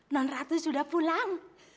non ratu sudah pulang